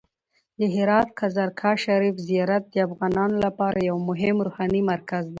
د هرات د کازرګاه شریف زیارت د افغانانو لپاره یو مهم روحاني مرکز دی.